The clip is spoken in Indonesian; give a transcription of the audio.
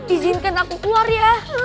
izinkan aku keluar ya